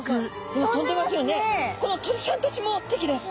この鳥さんたちも敵です。